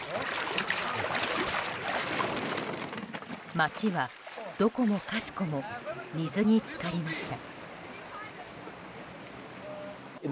街はどこもかしこも水に浸かりました。